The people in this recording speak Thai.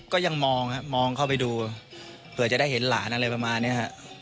ก็ยังมองฮะมองเข้าไปดูเผื่อจะได้เห็นหลานอะไรประมาณนี้ฮะ